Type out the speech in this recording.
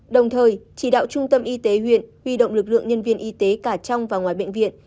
đồng thời chỉ đạo trung tâm y tế huyện huy động lực lượng nhân viên y tế cả trong và ngoài bệnh viện